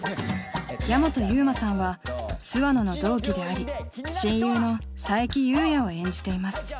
矢本悠馬さんは諏訪野の同期であり親友の冴木裕也を演じています